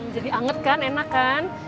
jadi anget kan enak kan